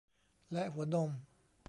และหัวนม